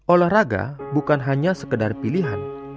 olahraga bukan hanya sekedar pilihan